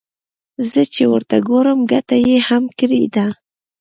زه چې ورته ګورم ګټه يې هم کړې ده.